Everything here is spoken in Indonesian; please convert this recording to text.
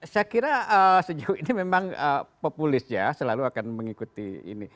saya kira sejauh ini memang populisnya selalu akan mengikuti ini